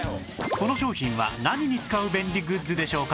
この商品は何に使う便利グッズでしょうか？